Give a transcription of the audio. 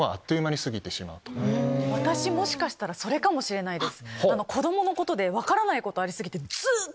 私もしかしたらそれかもしれないです。